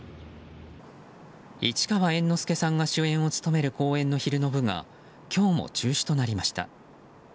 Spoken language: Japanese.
市川猿之助さんが主演を務める公演の昼の部が今日も中止となりました。